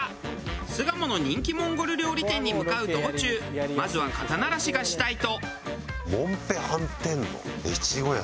巣鴨の人気モンゴル料理店に向かう道中まずは肩慣らしがしたいと。